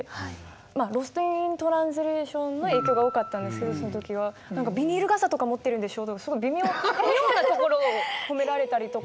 「ロスト・イン・トランスレーション」の影響が大きかったんですけどその時は「ビニール傘とか持ってるんでしょ？」とか妙なところを褒められたりとか。